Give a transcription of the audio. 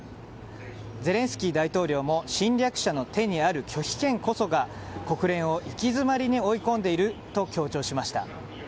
ゼレンスキー大統領も侵略者の手にある拒否権こそが国連を行き詰まりに追い込んでいると強調しました。